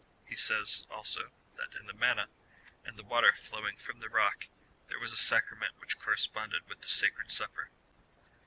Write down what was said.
He says, also, that in the manna, and the water flowing from the rock, there was a sacrament which corresponded with the sacred Supper.